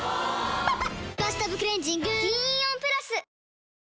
・おぉ「バスタブクレンジング」銀イオンプラス！